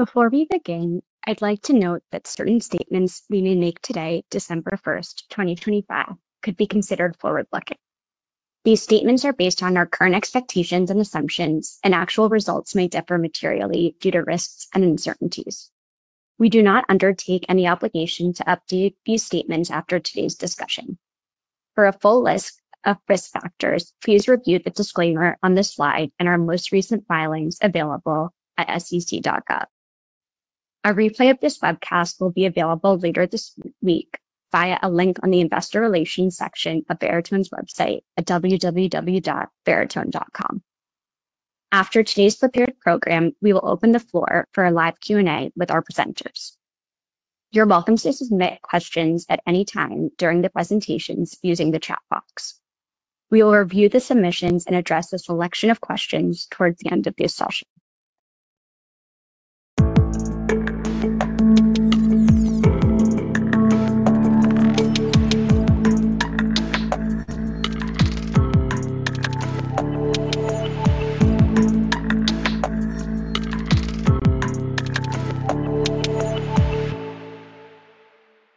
Before we begin, I'd like to note that certain statements we may make today, December 1, 2025, could be considered forward-looking. These statements are based on our current expectations and assumptions, and actual results may differ materially due to risks and uncertainties. We do not undertake any obligation to update these statements after today's discussion. For a full list of risk factors, please review the disclaimer on this slide and our most recent filings available at sec.gov. A replay of this webcast will be available later this week via a link on the Investor Relations section of Veritone's website at www.veritone.com. After today's prepared program, we will open the floor for a live Q&A with our presenters. You're welcome to submit questions at any time during the presentations using the chat box. We will review the submissions and address a selection of questions towards the end of the session.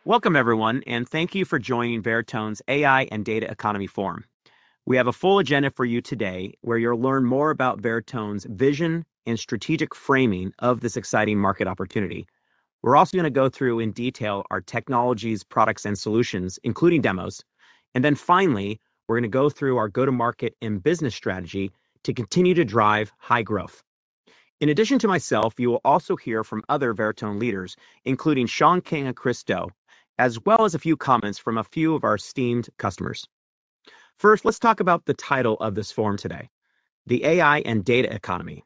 Welcome, everyone, and thank you for joining Veritone's AI and Data Economy Forum. We have a full agenda for you today where you'll learn more about Veritone's vision and strategic framing of this exciting market opportunity. We're also going to go through in detail our technologies, products, and solutions, including demos. Finally, we're going to go through our go-to-market and business strategy to continue to drive high growth. In addition to myself, you will also hear from other Veritone leaders, including Sean King and Chris Doe, as well as a few comments from a few of our esteemed customers. First, let's talk about the title of this forum today, The AI and Data Economy.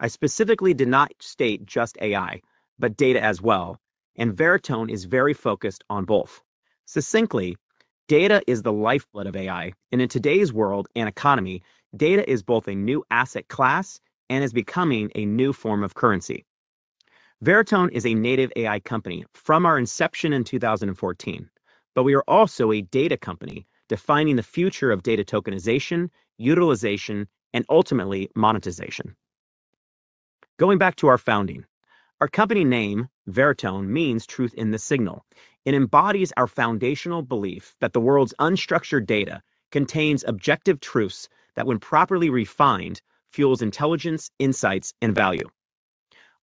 I specifically did not state just AI, but data as well, and Veritone is very focused on both. Succinctly, data is the lifeblood of AI, and in today's world and economy, data is both a new asset class and is becoming a new form of currency. Veritone is a native AI company from our inception in 2014, but we are also a data company defining the future of data tokenization, utilization, and ultimately monetization. Going back to our founding, our company name, Veritone, means truth in the signal. It embodies our foundational belief that the world's unstructured data contains objective truths that, when properly refined, fuel intelligence, insights, and value.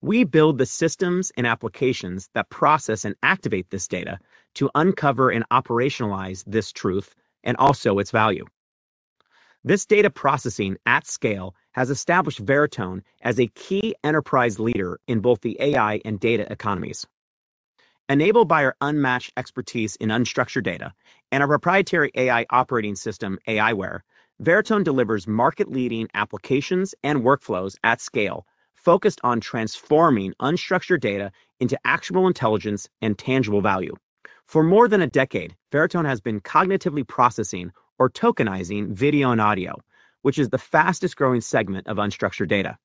We build the systems and applications that process and activate this data to uncover and operationalize this truth and also its value. This data processing at scale has established Veritone as a key enterprise leader in both the AI and data economies. Enabled by our unmatched expertise in unstructured data and our proprietary AI operating system, aiWARE, Veritone delivers market-leading applications and workflows at scale focused on transforming unstructured data into actual intelligence and tangible value. For more than a decade, Veritone has been cognitively processing or tokenizing video and audio, which is the fastest-growing segment of unstructured data.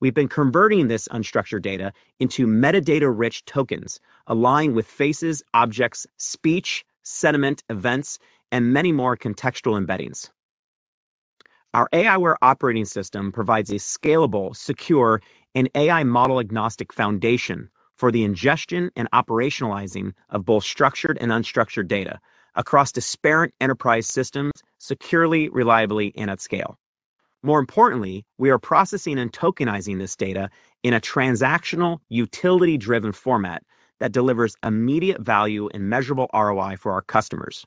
We've been converting this unstructured data into metadata-rich tokens, aligned with faces, objects, speech, sentiment, events, and many more contextual embeddings. Our aiWARE operating system provides a scalable, secure, and AI model-agnostic foundation for the ingestion and operationalizing of both structured and unstructured data across disparate enterprise systems securely, reliably, and at scale. More importantly, we are processing and tokenizing this data in a transactional, utility-driven format that delivers immediate value and measurable ROI for our customers,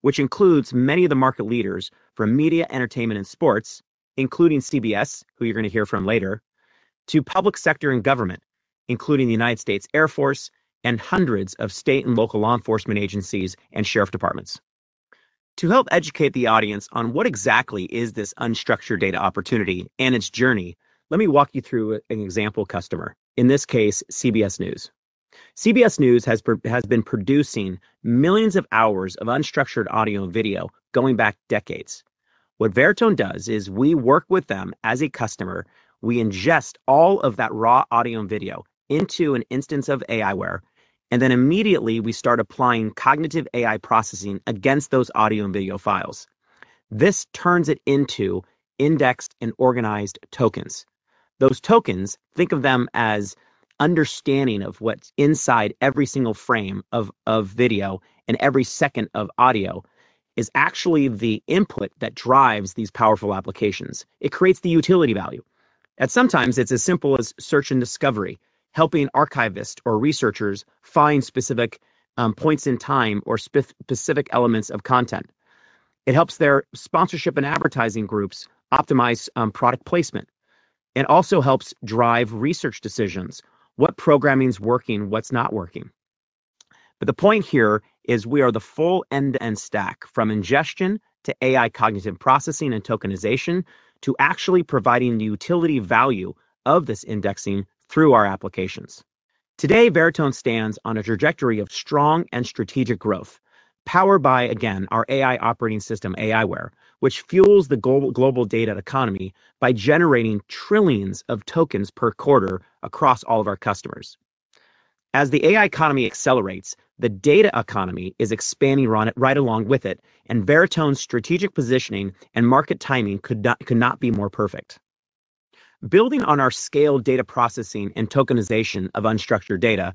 which includes many of the market leaders from media, entertainment, and sports, including CBS, who you're going to hear from later, to public sector and government, including the United States Air Force and hundreds of state and local law enforcement agencies and sheriff departments. To help educate the audience on what exactly is this unstructured data opportunity and its journey, let me walk you through an example customer, in this case, CBS News. CBS News has been producing millions of hours of unstructured audio and video going back decades. What Veritone does is we work with them as a customer. We ingest all of that raw audio and video into an instance of aiWARE, and then immediately we start applying cognitive AI processing against those audio and video files. This turns it into indexed and organized tokens. Those tokens, think of them as understanding of what's inside every single frame of video and every second of audio, is actually the input that drives these powerful applications. It creates the utility value. At sometimes, it's as simple as search and discovery, helping archivists or researchers find specific points in time or specific elements of content. It helps their sponsorship and advertising groups optimize product placement and also helps drive research decisions, what programming's working, what's not working. The point here is we are the full end-to-end stack from ingestion to AI cognitive processing and tokenization to actually providing the utility value of this indexing through our applications. Today, Veritone stands on a trajectory of strong and strategic growth powered by, again, our AI operating system, aiWARE, which fuels the global data economy by generating trillions of tokens per quarter across all of our customers. As the AI economy accelerates, the data economy is expanding right along with it, and Veritone's strategic positioning and market timing could not be more perfect. Building on our scaled data processing and tokenization of unstructured data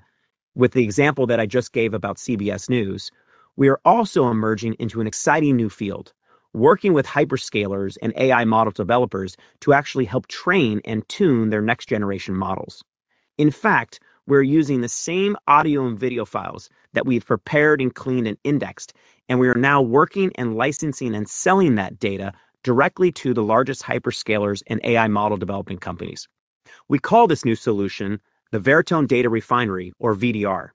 with the example that I just gave about CBS News, we are also emerging into an exciting new field, working with hyperscalers and AI model developers to actually help train and tune their next-generation models. In fact, we're using the same audio and video files that we've prepared and cleaned and indexed, and we are now working and licensing and selling that data directly to the largest hyperscalers and AI model developing companies. We call this new solution the Veritone Data Refinery, or VDR.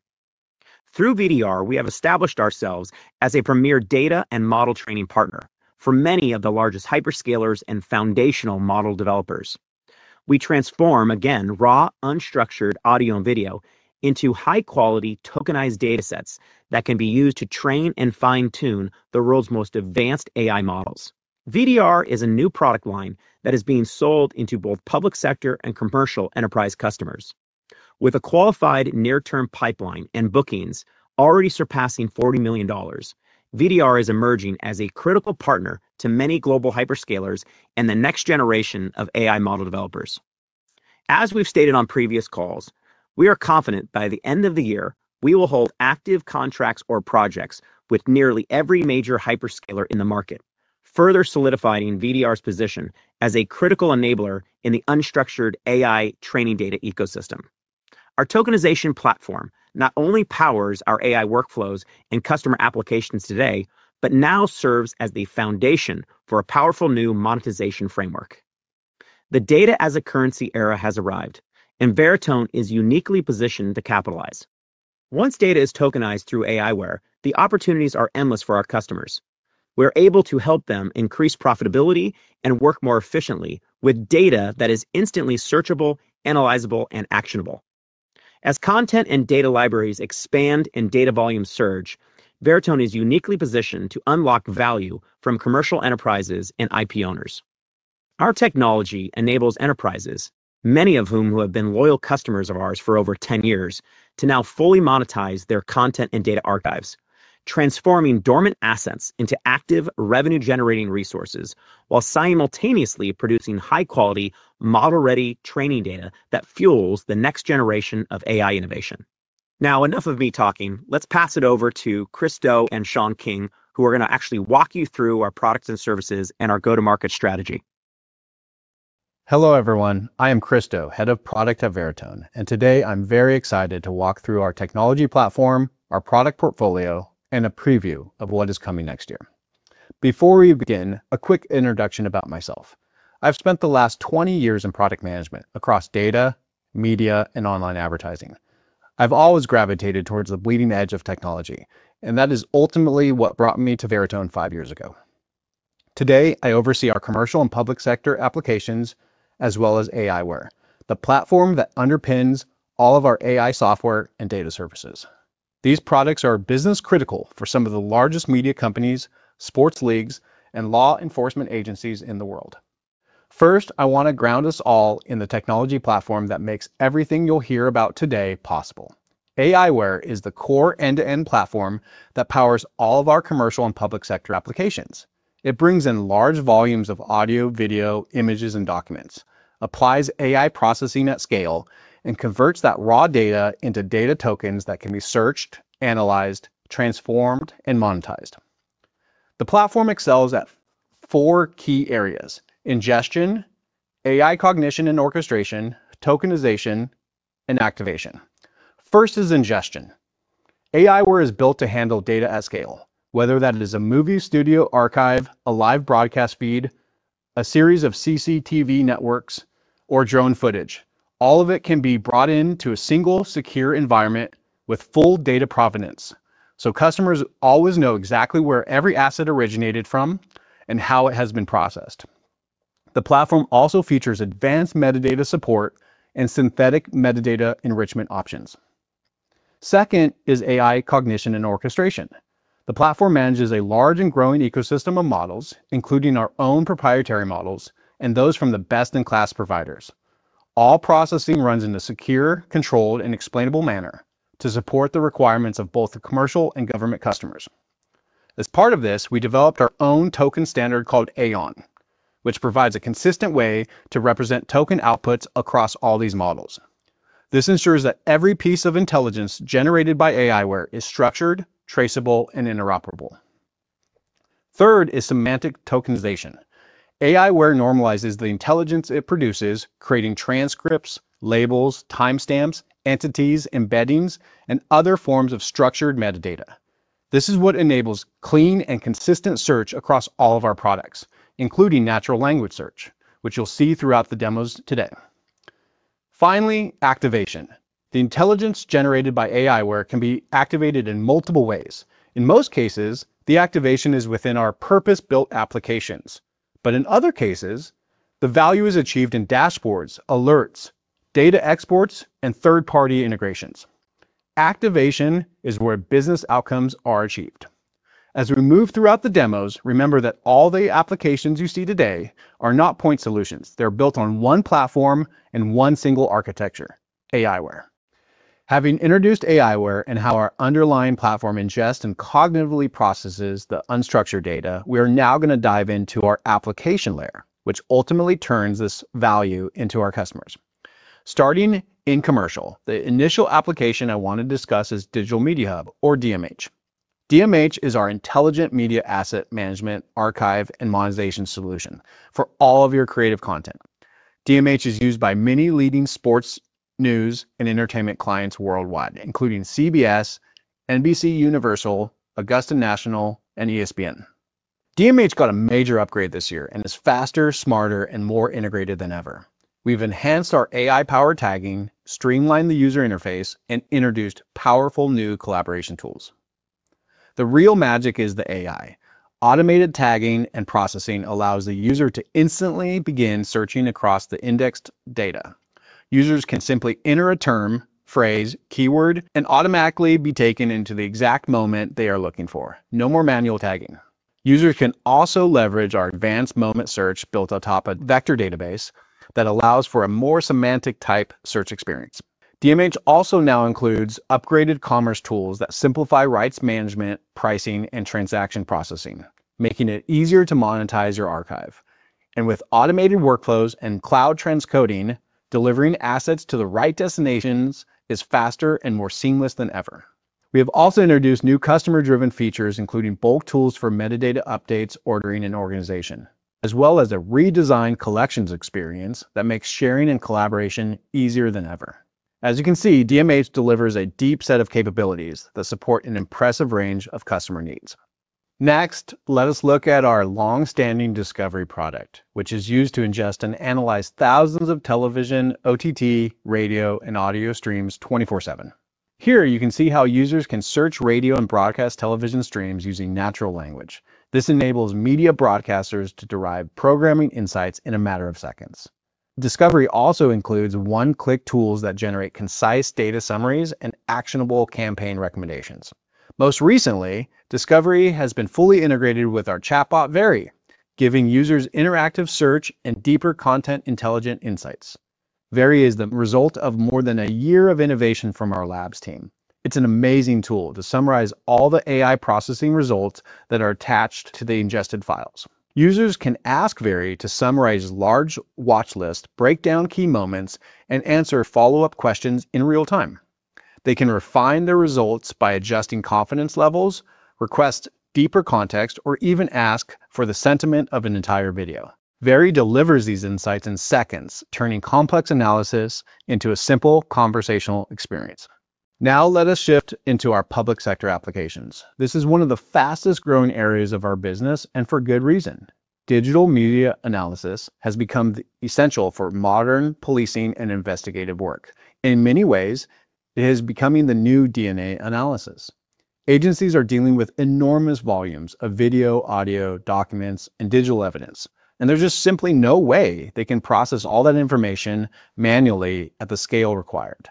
Through VDR, we have established ourselves as a premier data and model training partner for many of the largest hyperscalers and foundational model developers. We transform, again, raw, unstructured audio and video into high-quality tokenized data sets that can be used to train and fine-tune the world's most advanced AI models. VDR is a new product line that is being sold into both public sector and commercial enterprise customers. With a qualified near-term pipeline and bookings already surpassing $40 million, VDR is emerging as a critical partner to many global hyperscalers and the next generation of AI model developers. As we've stated on previous calls, we are confident by the end of the year we will hold active contracts or projects with nearly every major hyperscaler in the market, further solidifying VDR's position as a critical enabler in the unstructured AI training data ecosystem. Our tokenization platform not only powers our AI workflows and customer applications today, but now serves as the foundation for a powerful new monetization framework. The data-as-a-currency era has arrived, and Veritone is uniquely positioned to capitalize. Once data is tokenized through aiWARE, the opportunities are endless for our customers. We're able to help them increase profitability and work more efficiently with data that is instantly searchable, analyzable, and actionable. As content and data libraries expand and data volumes surge, Veritone is uniquely positioned to unlock value from commercial enterprises and IP owners. Our technology enables enterprises, many of whom have been loyal customers of ours for over 10 years, to now fully monetize their content and data archives, transforming dormant assets into active, revenue-generating resources while simultaneously producing high-quality, model-ready training data that fuels the next generation of AI innovation. Now, enough of me talking. Let's pass it over to Chris Doe and Sean King, who are going to actually walk you through our products and services and our go-to-market strategy. Hello, everyone. I am Chris Doe, Head of Product at Veritone, and today I'm very excited to walk through our technology platform, our product portfolio, and a preview of what is coming next year. Before we begin, a quick introduction about myself. I've spent the last 20 years in product management across data, media, and online advertising. I've always gravitated towards the bleeding edge of technology, and that is ultimately what brought me to Veritone five years ago. Today, I oversee our commercial and public sector applications, as well as aiWARE, the platform that underpins all of our AI software and data services. These products are business-critical for some of the largest media companies, sports leagues, and law enforcement agencies in the world. First, I want to ground us all in the technology platform that makes everything you'll hear about today possible. aiWARE is the core end-to-end platform that powers all of our commercial and public sector applications. It brings in large volumes of audio, video, images, and documents, applies AI processing at scale, and converts that raw data into data tokens that can be searched, analyzed, transformed, and monetized. The platform excels at four key areas: ingestion, AI cognition and orchestration, tokenization, and activation. First is ingestion. aiWARE is built to handle data at scale, whether that is a movie studio archive, a live broadcast feed, a series of CCTV networks, or drone footage. All of it can be brought into a single, secure environment with full data provenance, so customers always know exactly where every asset originated from and how it has been processed. The platform also features advanced metadata support and synthetic metadata enrichment options. Second is AI cognition and orchestration. The platform manages a large and growing ecosystem of models, including our own proprietary models and those from the best-in-class providers. All processing runs in a secure, controlled, and explainable manner to support the requirements of both commercial and government customers. As part of this, we developed our own token standard called AION, which provides a consistent way to represent token outputs across all these models. This ensures that every piece of intelligence generated by aiWARE is structured, traceable, and interoperable. Third is semantic tokenization. aiWARE normalizes the intelligence it produces, creating transcripts, labels, timestamps, entities, embeddings, and other forms of structured metadata. This is what enables clean and consistent search across all of our products, including natural language search, which you'll see throughout the demos today. Finally, activation. The intelligence generated by aiWARE can be activated in multiple ways. In most cases, the activation is within our purpose-built applications, but in other cases, the value is achieved in dashboards, alerts, data exports, and third-party integrations. Activation is where business outcomes are achieved. As we move throughout the demos, remember that all the applications you see today are not point solutions. They're built on one platform and one single architecture, aiWARE. Having introduced aiWARE and how our underlying platform ingests and cognitively processes the unstructured data, we are now going to dive into our application layer, which ultimately turns this value into our customers. Starting in commercial, the initial application I want to discuss is Digital Media Hub, or DMH. DMH is our intelligent media asset management, archive, and monetization solution for all of your creative content. DMH is used by many leading sports, news, and entertainment clients worldwide, including CBS, NBCUniversal, Augusta National, and ESPN. DMH got a major upgrade this year and is faster, smarter, and more integrated than ever. We have enhanced our AI-powered tagging, streamlined the user interface, and introduced powerful new collaboration tools. The real magic is the AI. Automated tagging and processing allows the user to instantly begin searching across the indexed data. Users can simply enter a term, phrase, keyword, and automatically be taken into the exact moment they are looking for. No more manual tagging. Users can also leverage our advanced moment search built on top of a vector database that allows for a more semantic-type search experience. DMH also now includes upgraded commerce tools that simplify rights management, pricing, and transaction processing, making it easier to monetize your archive. With automated workflows and cloud transcoding, delivering assets to the right destinations is faster and more seamless than ever. We have also introduced new customer-driven features, including bulk tools for metadata updates, ordering, and organization, as well as a redesigned collections experience that makes sharing and collaboration easier than ever. As you can see, DMH delivers a deep set of capabilities that support an impressive range of customer needs. Next, let us look at our long-standing Discovery product, which is used to ingest and analyze thousands of television, OTT, radio, and audio streams 24/7. Here, you can see how users can search radio and broadcast television streams using natural language. This enables media broadcasters to derive programming insights in a matter of seconds. Discovery also includes one-click tools that generate concise data summaries and actionable campaign recommendations. Most recently, Discovery has been fully integrated with our chatbot, Very, giving users interactive search and deeper content intelligent insights. Very is the result of more than a year of innovation from our labs team. It's an amazing tool to summarize all the AI processing results that are attached to the ingested files. Users can ask Very to summarize large watch lists, break down key moments, and answer follow-up questions in real time. They can refine their results by adjusting confidence levels, request deeper context, or even ask for the sentiment of an entire video. Very delivers these insights in seconds, turning complex analysis into a simple conversational experience. Now, let us shift into our public sector applications. This is one of the fastest-growing areas of our business, and for good reason. Digital media analysis has become essential for modern policing and investigative work. In many ways, it is becoming the new DNA analysis. Agencies are dealing with enormous volumes of video, audio, documents, and digital evidence, and there's just simply no way they can process all that information manually at the scale required.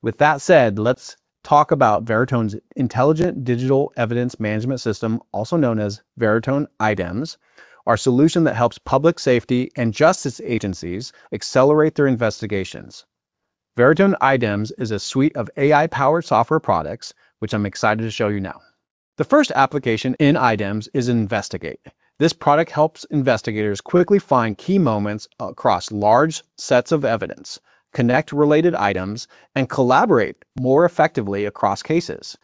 With that said, let's talk about Veritone's intelligent digital evidence management system, also known as Veritone iDEMS, our solution that helps public safety and justice agencies accelerate their investigations. Veritone iDEMS is a suite of AI-powered software products, which I'm excited to show you now. The first application in iDEMS is Investigate. This product helps investigators quickly find key moments across large sets of evidence, connect related items, and collaborate more effectively across cases.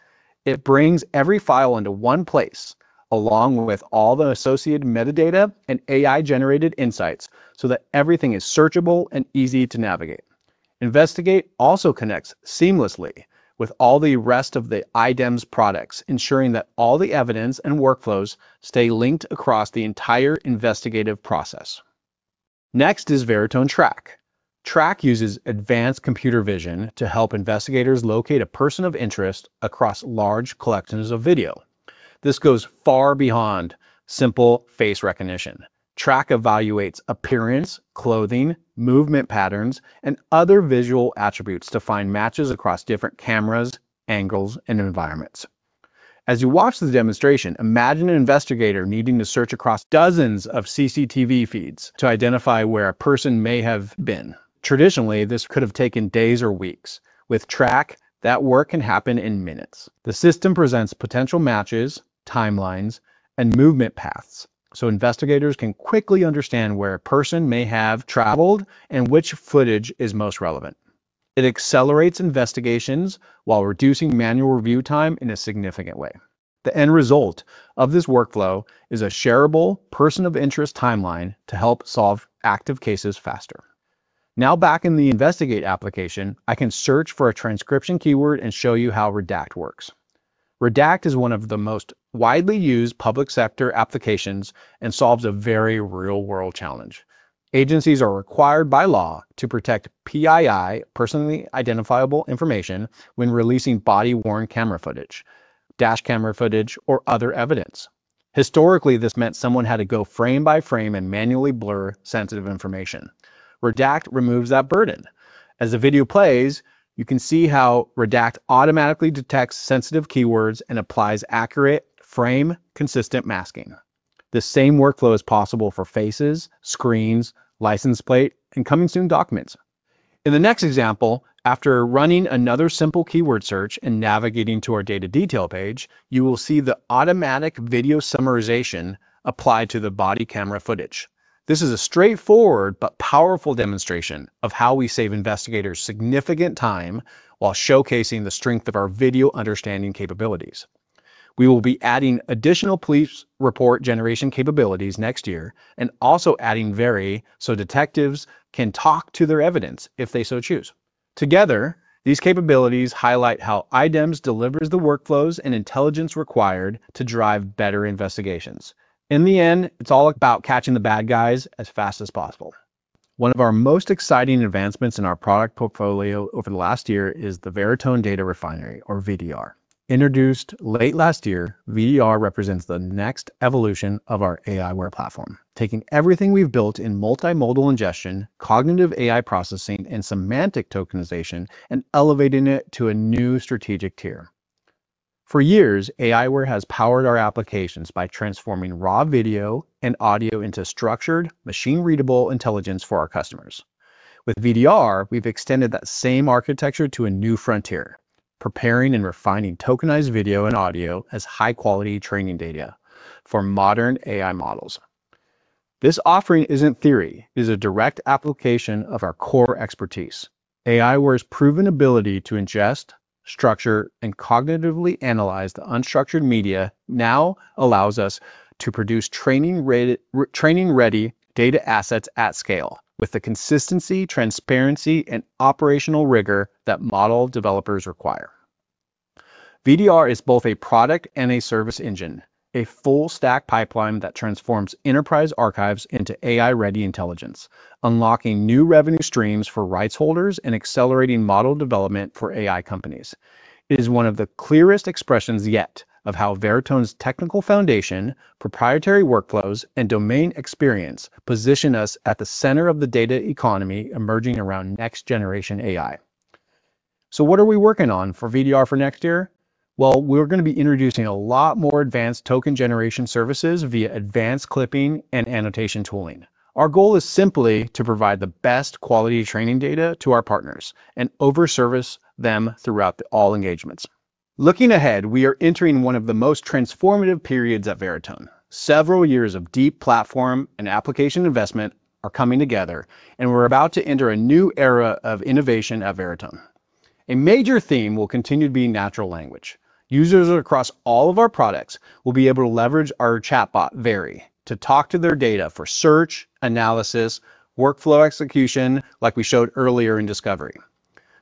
It brings every file into one place, along with all the associated metadata and AI-generated insights so that everything is searchable and easy to navigate. Investigate also connects seamlessly with all the rest of the iDEMS products, ensuring that all the evidence and workflows stay linked across the entire investigative process. Next is Veritone Track. Track uses advanced computer vision to help investigators locate a person of interest across large collections of video. This goes far beyond simple face recognition. Track evaluates appearance, clothing, movement patterns, and other visual attributes to find matches across different cameras, angles, and environments. As you watch the demonstration, imagine an investigator needing to search across dozens of CCTV feeds to identify where a person may have been. Traditionally, this could have taken days or weeks. With Track, that work can happen in minutes. The system presents potential matches, timelines, and movement paths so investigators can quickly understand where a person may have traveled and which footage is most relevant. It accelerates investigations while reducing manual review time in a significant way. The end result of this workflow is a shareable person-of-interest timeline to help solve active cases faster. Now, back in the Investigate application, I can search for a transcription keyword and show you how Redact works. Redact is one of the most widely used public sector applications and solves a very real-world challenge. Agencies are required by law to protect PII, personally identifiable information, when releasing body-worn camera footage, dash camera footage, or other evidence. Historically, this meant someone had to go frame by frame and manually blur sensitive information. Redact removes that burden. As the video plays, you can see how Redact automatically detects sensitive keywords and applies accurate, frame-consistent masking. The same workflow is possible for faces, screens, license plate, and coming soon documents. In the next example, after running another simple keyword search and navigating to our data detail page, you will see the automatic video summarization applied to the body camera footage. This is a straightforward but powerful demonstration of how we save investigators significant time while showcasing the strength of our video understanding capabilities. We will be adding additional police report generation capabilities next year and also adding Very so detectives can talk to their evidence if they so choose. Together, these capabilities highlight how iDEMS delivers the workflows and intelligence required to drive better investigations. In the end, it's all about catching the bad guys as fast as possible. One of our most exciting advancements in our product portfolio over the last year is the Veritone Data Refinery, or VDR. Introduced late last year, VDR represents the next evolution of our aiWARE platform, taking everything we've built in multimodal ingestion, cognitive AI processing, and semantic tokenization and elevating it to a new strategic tier. For years, aiWARE has powered our applications by transforming raw video and audio into structured, machine-readable intelligence for our customers. With VDR, we've extended that same architecture to a new frontier, preparing and refining tokenized video and audio as high-quality training data for modern AI models. This offering isn't theory. It is a direct application of our core expertise. aiWARE's proven ability to ingest, structure, and cognitively analyze the unstructured media now allows us to produce training-ready data assets at scale with the consistency, transparency, and operational rigor that model developers require. VDR is both a product and a service engine, a full-stack pipeline that transforms enterprise archives into AI-ready intelligence, unlocking new revenue streams for rights holders and accelerating model development for AI companies. It is one of the clearest expressions yet of how Veritone's technical foundation, proprietary workflows, and domain experience position us at the center of the data economy emerging around next-generation AI. What are we working on for VDR for next year? We are going to be introducing a lot more advanced token generation services via advanced clipping and annotation tooling. Our goal is simply to provide the best quality training data to our partners and overservice them throughout all engagements. Looking ahead, we are entering one of the most transformative periods at Veritone. Several years of deep platform and application investment are coming together, and we are about to enter a new era of innovation at Veritone. A major theme will continue to be natural language. Users across all of our products will be able to leverage our chatbot, Very, to talk to their data for search, analysis, workflow execution, like we showed earlier in Discovery.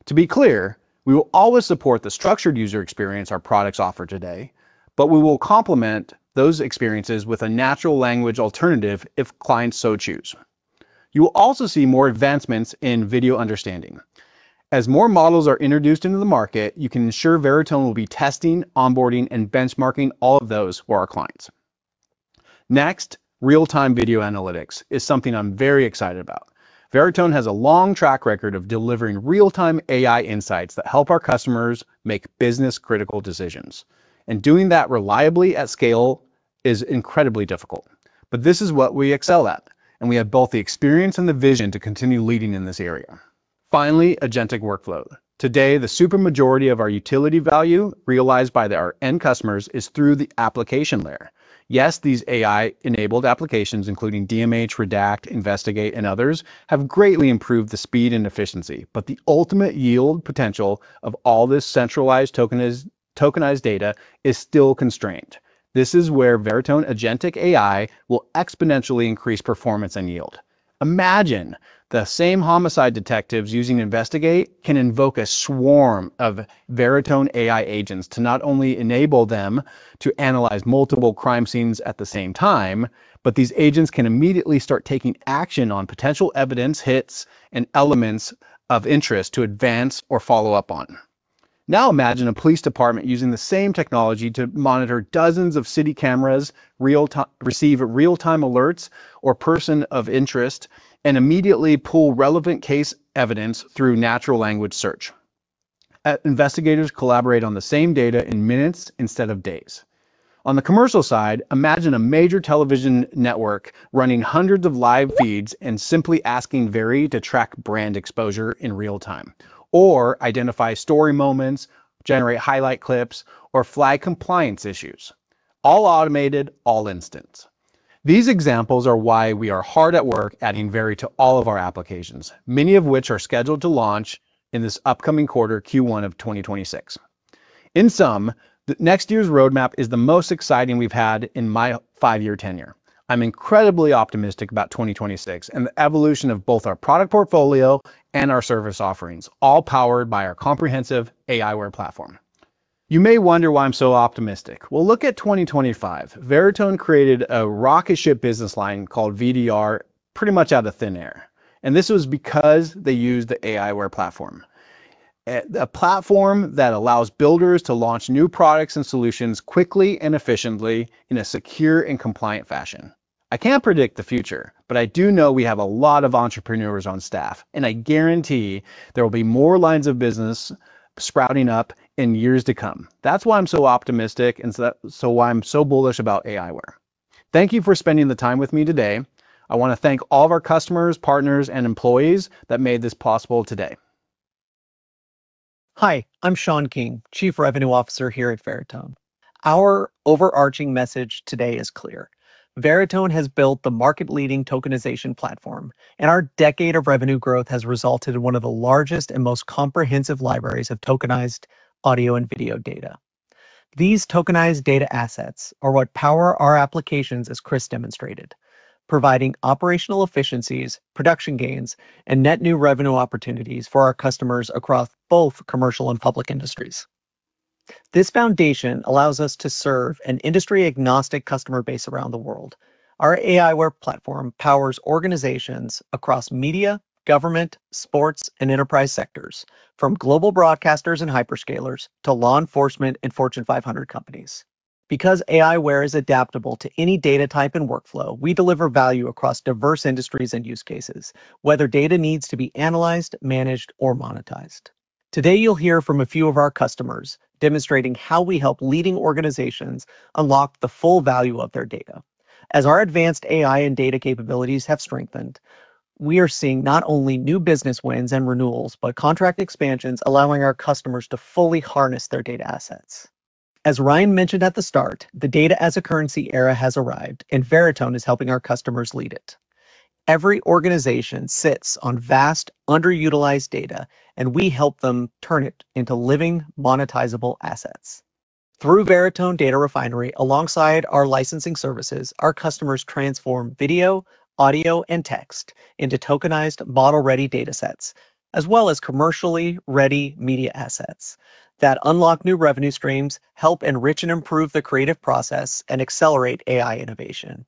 To be clear, we will always support the structured user experience our products offer today, but we will complement those experiences with a natural language alternative if clients so choose. You will also see more advancements in video understanding. As more models are introduced into the market, you can ensure Veritone will be testing, onboarding, and benchmarking all of those for our clients. Next, real-time video analytics is something I'm very excited about. Veritone has a long track record of delivering real-time AI insights that help our customers make business-critical decisions. Doing that reliably at scale is incredibly difficult. This is what we excel at, and we have both the experience and the vision to continue leading in this area. Finally, Agentic workflow. Today, the super majority of our utility value realized by our end customers is through the application layer. Yes, these AI-enabled applications, including DMH, Redact, Investigate, and others, have greatly improved the speed and efficiency, but the ultimate yield potential of all this centralized tokenized data is still constrained. This is where Veritone Agentic AI will exponentially increase performance and yield. Imagine the same homicide detectives using Investigate can invoke a swarm of Veritone AI agents to not only enable them to analyze multiple crime scenes at the same time, but these agents can immediately start taking action on potential evidence, hits, and elements of interest to advance or follow up on. Now imagine a police department using the same technology to monitor dozens of city cameras, receive real-time alerts for person of interest, and immediately pull relevant case evidence through natural language search. Investigators collaborate on the same data in minutes instead of days. On the commercial side, imagine a major television network running hundreds of live feeds and simply asking Very to track brand exposure in real time, or identify story moments, generate highlight clips, or flag compliance issues. All automated, all instant. These examples are why we are hard at work adding Very to all of our applications, many of which are scheduled to launch in this upcoming quarter, Q1 of 2026. In sum, next year's roadmap is the most exciting we've had in my five-year tenure. I'm incredibly optimistic about 2026 and the evolution of both our product portfolio and our service offerings, all powered by our comprehensive aiWARE platform. You may wonder why I'm so optimistic. Well, look at 2025. Veritone created a rocket ship business line called VDR pretty much out of thin air, and this was because they used the aiWARE platform. A platform that allows builders to launch new products and solutions quickly and efficiently in a secure and compliant fashion. I can't predict the future, but I do know we have a lot of entrepreneurs on staff, and I guarantee there will be more lines of business sprouting up in years to come. That's why I'm so optimistic and so why I'm so bullish about aiWARE. Thank you for spending the time with me today. I want to thank all of our customers, partners, and employees that made this possible today. Hi, I'm Sean King, Chief Revenue Officer here at Veritone. Our overarching message today is clear. Veritone has built the market-leading tokenization platform, and our decade of revenue growth has resulted in one of the largest and most comprehensive libraries of tokenized audio and video data. These tokenized data assets are what power our applications, as Chris demonstrated, providing operational efficiencies, production gains, and net new revenue opportunities for our customers across both commercial and public industries. This foundation allows us to serve an industry-agnostic customer base around the world. Our aiWARE platform powers organizations across media, government, sports, and enterprise sectors, from global broadcasters and hyperscalers to law enforcement and Fortune 500 companies. Because aiWARE is adaptable to any data type and workflow, we deliver value across diverse industries and use cases, whether data needs to be analyzed, managed, or monetized. Today, you'll hear from a few of our customers demonstrating how we help leading organizations unlock the full value of their data. As our advanced AI and data capabilities have strengthened, we are seeing not only new business wins and renewals, but contract expansions allowing our customers to fully harness their data assets. As Ryan mentioned at the start, the data-as-a-currency era has arrived, and Veritone is helping our customers lead it. Every organization sits on vast, underutilized data, and we help them turn it into living, monetizable assets. Through Veritone Data Refinery, alongside our licensing services, our customers transform video, audio, and text into tokenized, model-ready data sets, as well as commercially ready media assets that unlock new revenue streams, help enrich and improve the creative process, and accelerate AI innovation.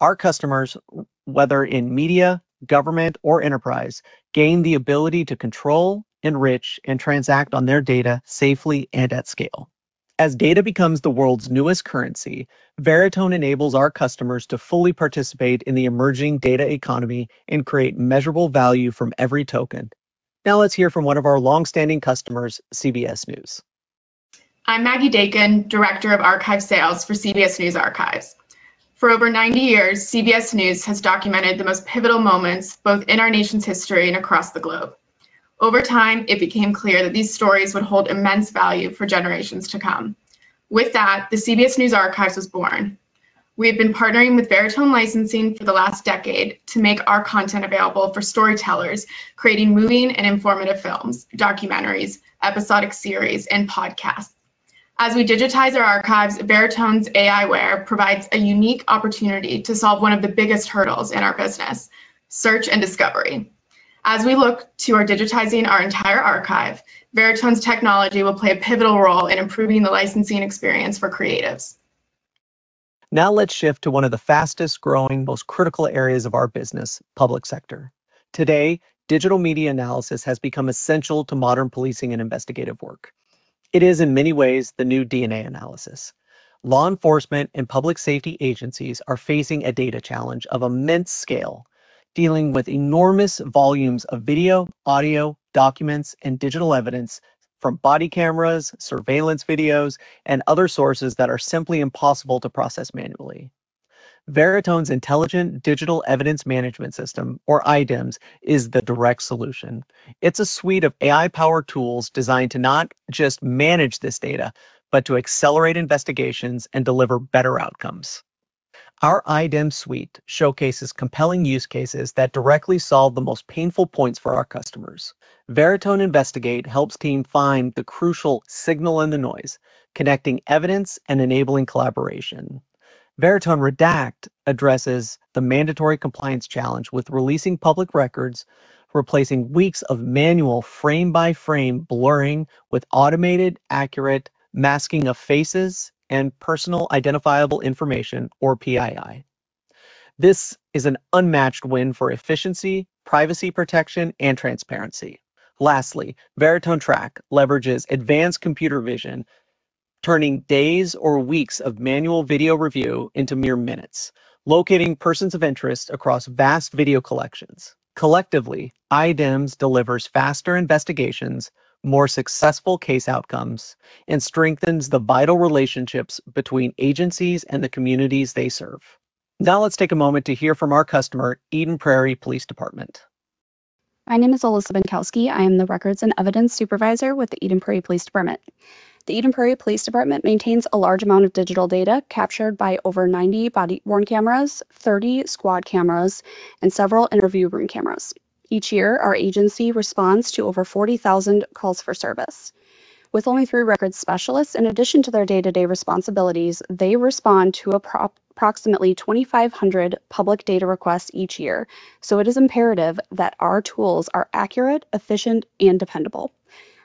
Our customers, whether in media, government, or enterprise, gain the ability to control, enrich, and transact on their data safely and at scale. As data becomes the world's newest currency, Veritone enables our customers to fully participate in the emerging data economy and create measurable value from every token. Now let's hear from one of our long-standing customers, CBS News. I'm Maggie Dakin, Director of Archive Sales for CBS News Archives. For over 90 years, CBS News has documented the most pivotal moments both in our nation's history and across the globe. Over time, it became clear that these stories would hold immense value for generations to come. With that, the CBS News Archives was born. We have been partnering with Veritone Licensing for the last decade to make our content available for storytellers, creating moving and informative films, documentaries, episodic series, and podcasts. As we digitize our archives, Veritone's aiWARE provides a unique opportunity to solve one of the biggest hurdles in our business: search and discovery. As we look to our digitizing our entire archive, Veritone's technology will play a pivotal role in improving the licensing experience for creatives. Now let's shift to one of the fastest-growing, most critical areas of our business, public sector. Today, digital media analysis has become essential to modern policing and investigative work. It is, in many ways, the new DNA analysis. Law enforcement and public safety agencies are facing a data challenge of immense scale, dealing with enormous volumes of video, audio, documents, and digital evidence from body cameras, surveillance videos, and other sources that are simply impossible to process manually. Veritone's Intelligent Digital Evidence Management System, or iDEMS, is the direct solution. It's a suite of AI-powered tools designed to not just manage this data, but to accelerate investigations and deliver better outcomes. Our iDEMS suite showcases compelling use cases that directly solve the most painful points for our customers. Veritone Investigate helps the team find the crucial signal in the noise, connecting evidence and enabling collaboration. Veritone Redact addresses the mandatory compliance challenge with releasing public records, replacing weeks of manual frame-by-frame blurring with automated, accurate masking of faces and personally identifiable information, or PII. This is an unmatched win for efficiency, privacy protection, and transparency. Lastly, Veritone Track leverages advanced computer vision, turning days or weeks of manual video review into mere minutes, locating persons of interest across vast video collections. Collectively, iDEMS delivers faster investigations, more successful case outcomes, and strengthens the vital relationships between agencies and the communities they serve. Now let's take a moment to hear from our customer, Eden Prairie Police Department. My name is Alyssa Benkowski. I am the Records and Evidence Supervisor with the Eden Prairie Police Department. The Eden Prairie Police Department maintains a large amount of digital data captured by over 90 body-worn cameras, 30 squad cameras, and several interview room cameras. Each year, our agency responds to over 40,000 calls for service. With only three record specialists, in addition to their day-to-day responsibilities, they respond to approximately 2,500 public data requests each year, so it is imperative that our tools are accurate, efficient, and dependable.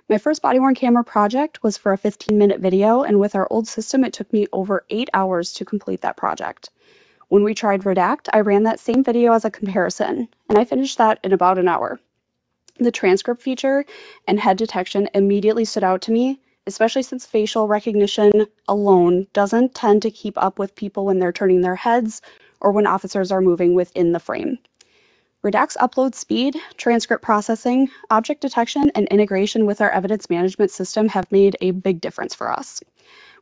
My first body-worn camera project was for a 15-minute video, and with our old system, it took me over eight hours to complete that project. When we tried Redact, I ran that same video as a comparison, and I finished that in about an hour. The transcript feature and head detection immediately stood out to me, especially since facial recognition alone does not tend to keep up with people when they are turning their heads or when officers are moving within the frame. Redact's upload speed, transcript processing, object detection, and integration with our evidence management system have made a big difference for us.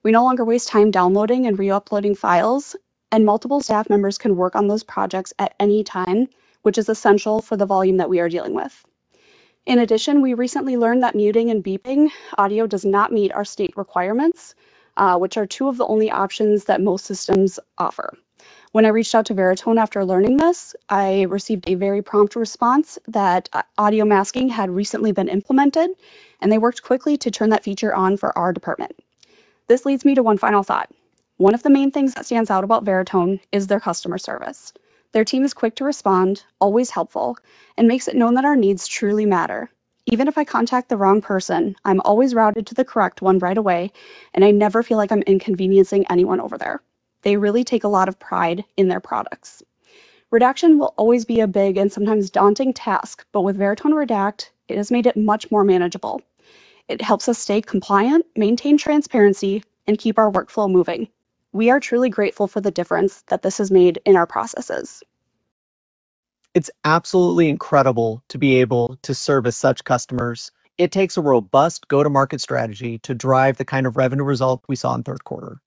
We no longer waste time downloading and re-uploading files, and multiple staff members can work on those projects at any time, which is essential for the volume that we are dealing with. In addition, we recently learned that muting and beeping audio does not meet our state requirements, which are two of the only options that most systems offer. When I reached out to Veritone after learning this, I received a very prompt response that audio masking had recently been implemented, and they worked quickly to turn that feature on for our department. This leads me to one final thought. One of the main things that stands out about Veritone is their customer service. Their team is quick to respond, always helpful, and makes it known that our needs truly matter. Even if I contact the wrong person, I'm always routed to the correct one right away, and I never feel like I'm inconveniencing anyone over there. They really take a lot of pride in their products. Redaction will always be a big and sometimes daunting task, but with Veritone Redact, it has made it much more manageable. It helps us stay compliant, maintain transparency, and keep our workflow moving. We are truly grateful for the difference that this has made in our processes. It's absolutely incredible to be able to service such customers. It takes a robust go-to-market strategy to drive the kind of revenue result we saw in third quarter.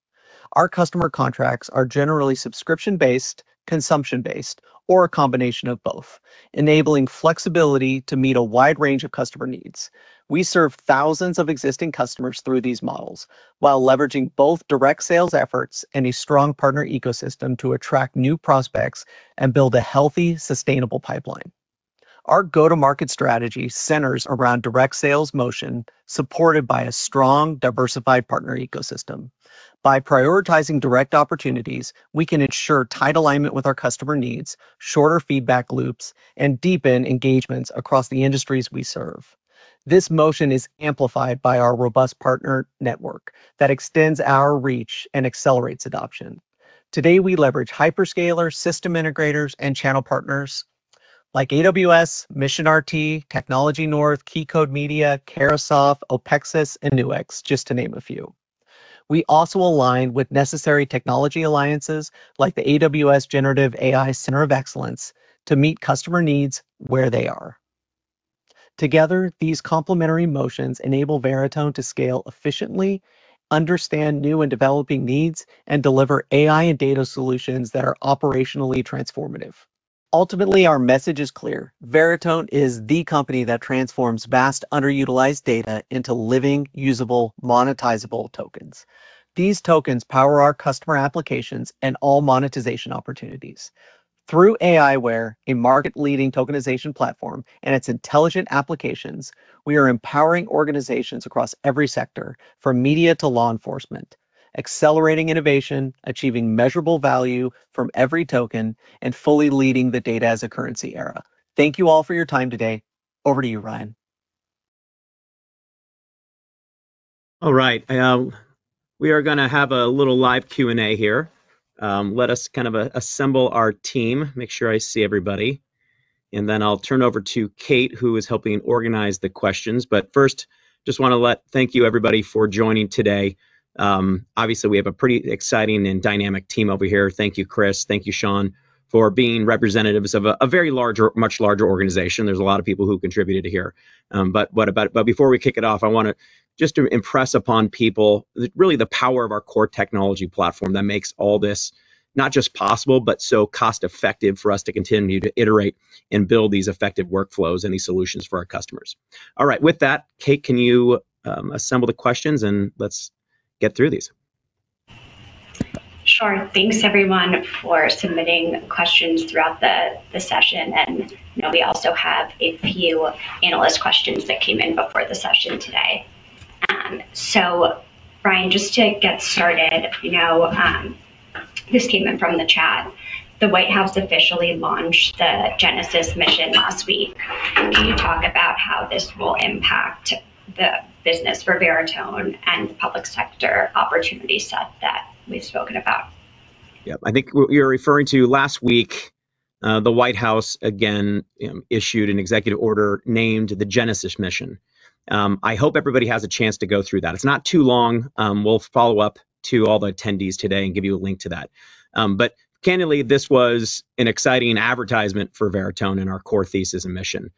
Our customer contracts are generally subscription-based, consumption-based, or a combination of both, enabling flexibility to meet a wide range of customer needs. We serve thousands of existing customers through these models while leveraging both direct sales efforts and a strong partner ecosystem to attract new prospects and build a healthy, sustainable pipeline. Our go-to-market strategy centers around direct sales motion supported by a strong, diversified partner ecosystem. By prioritizing direct opportunities, we can ensure tight alignment with our customer needs, shorter feedback loops, and deepen engagements across the industries we serve. This motion is amplified by our robust partner network that extends our reach and accelerates adoption. Today, we leverage hyperscalers, system integrators, and channel partners like AWS, MissionRT, Technology North, Key Code Media, Carahsoft, OPEXUS, and NUX, just to name a few. We also align with necessary technology alliances like the AWS Generative AI Center of Excellence to meet customer needs where they are. Together, these complementary motions enable Veritone to scale efficiently, understand new and developing needs, and deliver AI and data solutions that are operationally transformative. Ultimately, our message is clear: Veritone is the company that transforms vast, underutilized data into living, usable, monetizable tokens. These tokens power our customer applications and all monetization opportunities. Through aiWARE, a market-leading tokenization platform and its intelligent applications, we are empowering organizations across every sector, from media to law enforcement, accelerating innovation, achieving measurable value from every token, and fully leading the data-as-a-currency era. Thank you all for your time today. Over to you, Ryan. All right. We are going to have a little live Q&A here. Let us kind of assemble our team, make sure I see everybody, and then I'll turn over to Cate, who is helping organize the questions. First, just want to thank you, everybody, for joining today. Obviously, we have a pretty exciting and dynamic team over here. Thank you, Chris. Thank you, Sean, for being representatives of a very large, much larger organization. There are a lot of people who contributed here. Before we kick it off, I want to just impress upon people really the power of our core technology platform that makes all this not just possible, but so cost-effective for us to continue to iterate and build these effective workflows and these solutions for our customers. All right. With that, Cate, can you assemble the questions, and let's get through these? Sure. Thanks, everyone, for submitting questions throughout the session. We also have a few analyst questions that came in before the session today. Ryan, just to get started, this came in from the chat. The White House officially launched the Genesis mission last week. Can you talk about how this will impact the business for Veritone and the public sector opportunity set that we've spoken about? Yeah. I think you're referring to last week, the White House again issued an executive order named the Genesis mission. I hope everybody has a chance to go through that. It's not too long. We'll follow up to all the attendees today and give you a link to that. Candidly, this was an exciting advertisement for Veritone and our core thesis and mission.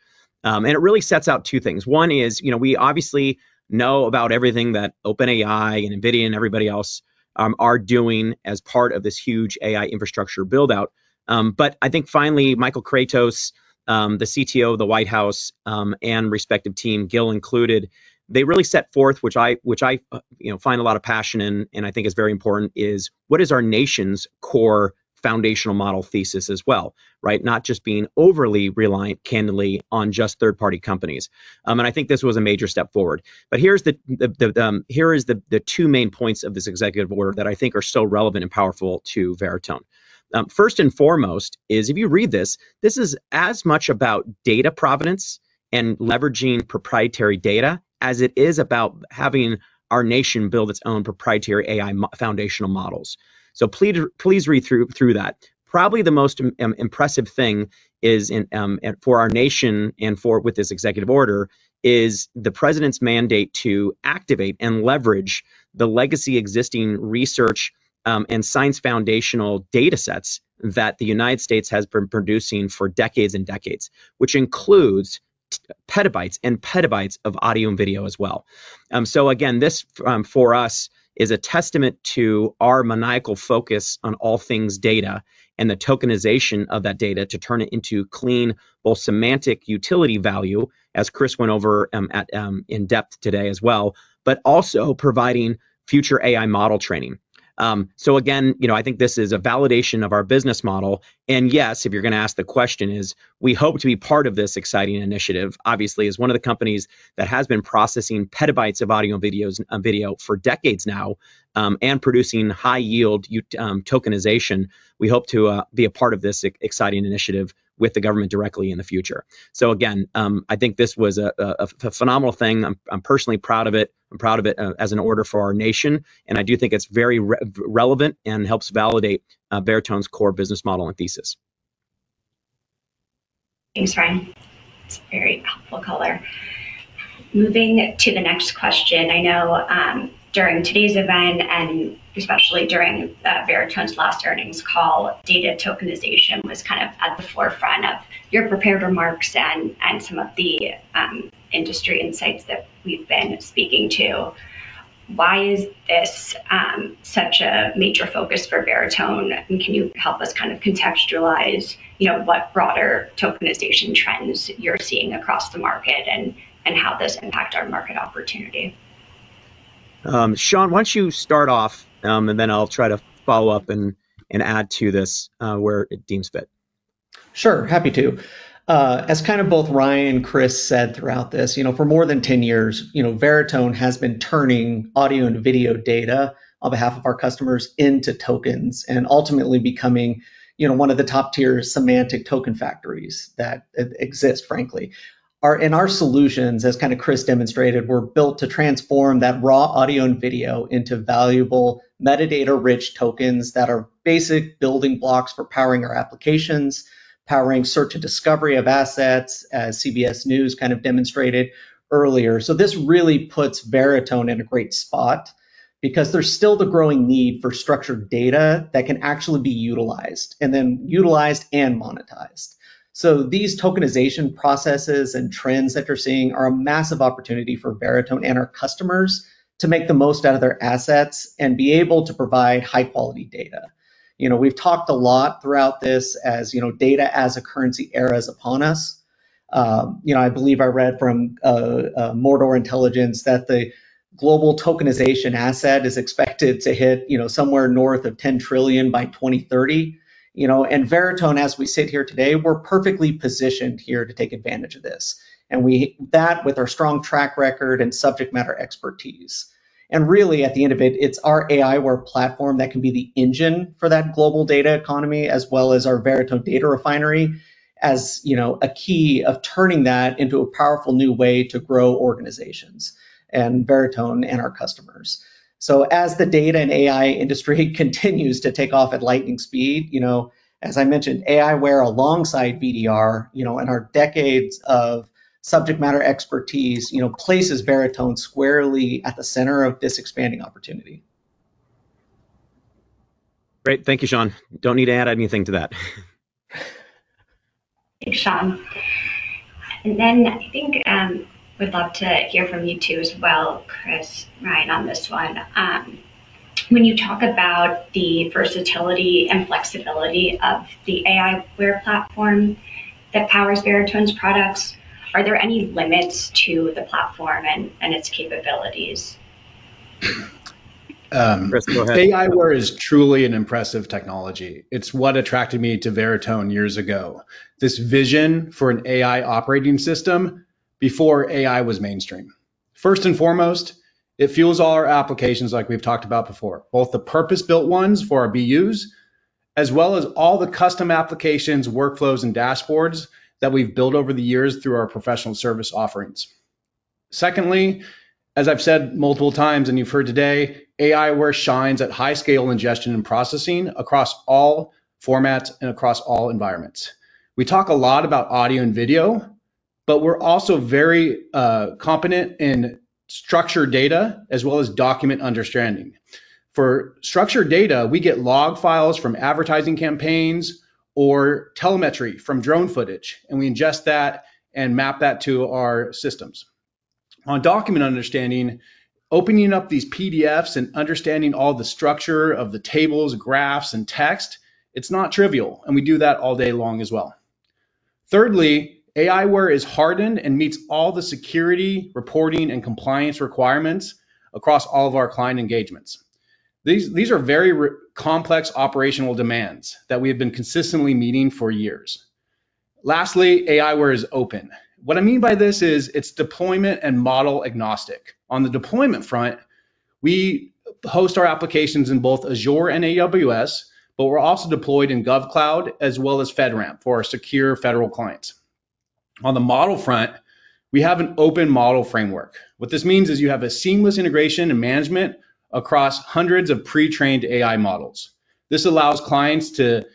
It really sets out two things. One is we obviously know about everything that OpenAI and NVIDIA and everybody else are doing as part of this huge AI infrastructure build-out. I think finally, Michael Kratsios, the CTO of the White House, and respective team, Gill included, they really set forth, which I find a lot of passion and I think is very important, is what is our nation's core foundational model thesis as well, not just being overly reliant, candidly, on just third-party companies. I think this was a major step forward. Here are the two main points of this executive order that I think are so relevant and powerful to Veritone. First and foremost is, if you read this, this is as much about data provenance and leveraging proprietary data as it is about having our nation build its own proprietary AI foundational models. Please read through that. Probably the most impressive thing for our nation and with this executive order is the President's mandate to activate and leverage the legacy existing research and science foundational data sets that the United States has been producing for decades and decades, which includes petabytes and petabytes of audio and video as well. Again, this for us is a testament to our maniacal focus on all things data and the tokenization of that data to turn it into clean, both semantic utility value, as Chris went over in depth today as well, but also providing future AI model training. I think this is a validation of our business model. Yes, if you're going to ask the question, we hope to be part of this exciting initiative. Obviously, as one of the companies that has been processing petabytes of audio and video for decades now and producing high-yield tokenization, we hope to be a part of this exciting initiative with the government directly in the future. I think this was a phenomenal thing. I'm personally proud of it. I'm proud of it as an order for our nation. I do think it's very relevant and helps validate Veritone's core business model and thesis. Thanks, Ryan. That's a very helpful color. Moving to the next question. I know during today's event, and especially during Veritone's last earnings call, data tokenization was kind of at the forefront of your prepared remarks and some of the industry insights that we've been speaking to. Why is this such a major focus for Veritone? Can you help us kind of contextualize what broader tokenization trends you're seeing across the market and how this impacts our market opportunity? Sean, why don't you start off, and then I'll try to follow up and add to this where it deems fit. Sure. Happy to. As kind of both Ryan and Chris said throughout this, for more than 10 years, Veritone has been turning audio and video data on behalf of our customers into tokens and ultimately becoming one of the top-tier semantic token factories that exist, frankly. Our solutions, as kind of Chris demonstrated, were built to transform that raw audio and video into valuable metadata-rich tokens that are basic building blocks for powering our applications, powering search and discovery of assets, as CBS News kind of demonstrated earlier. This really puts Veritone in a great spot because there's still the growing need for structured data that can actually be utilized and then utilized and monetized. These tokenization processes and trends that you're seeing are a massive opportunity for Veritone and our customers to make the most out of their assets and be able to provide high-quality data. We've talked a lot throughout this as data-as-a-currency era is upon us. I believe I read from Mordor Intelligence that the global tokenization asset is expected to hit somewhere north of $10 trillion by 2030. Veritone, as we sit here today, we're perfectly positioned here to take advantage of this. We do that with our strong track record and subject matter expertise. Really, at the end of it, it's our aiWARE platform that can be the engine for that global data economy, as well as our Veritone Data Refinery, as a key of turning that into a powerful new way to grow organizations and Veritone and our customers. As the data and AI industry continues to take off at lightning speed, as I mentioned, aiWARE alongside VDR and our decades of subject matter expertise places Veritone squarely at the center of this expanding opportunity. Great. Thank you, Sean. Don't need to add anything to that. Thanks, Sean. I think we'd love to hear from you two as well, Chris, Ryan, on this one. When you talk about the versatility and flexibility of the aiWARE platform that powers Veritone's products, are there any limits to the platform and its capabilities? Chris, go ahead. aiWARE is truly an impressive technology. It's what attracted me to Veritone years ago, this vision for an AI operating system before AI was mainstream. First and foremost, it fuels all our applications like we've talked about before, both the purpose-built ones for our BUs as well as all the custom applications, workflows, and dashboards that we've built over the years through our professional service offerings. Secondly, as I've said multiple times and you've heard today, aiWARE shines at high-scale ingestion and processing across all formats and across all environments. We talk a lot about audio and video, but we're also very competent in structured data as well as document understanding. For structured data, we get log files from advertising campaigns or telemetry from drone footage, and we ingest that and map that to our systems. On document understanding, opening up these PDFs and understanding all the structure of the tables, graphs, and text, it's not trivial. And we do that all day long as well. Thirdly, aiWARE is hardened and meets all the security, reporting, and compliance requirements across all of our client engagements. These are very complex operational demands that we have been consistently meeting for years. Lastly, aiWARE is open. What I mean by this is it's deployment and model agnostic. On the deployment front, we host our applications in both Azure and AWS, but we're also deployed in GovCloud as well as FedRAMP for our secure federal clients. On the model front, we have an open model framework. What this means is you have a seamless integration and management across hundreds of pre-trained AI models. This allows clients to